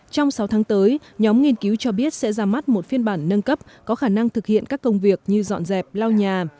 trong sáu tháng tới nhóm nghiên cứu cho biết sẽ ra mắt một phiên bản nâng cấp có khả năng thực hiện các công việc như dọn dẹp lau nhà